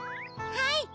はい！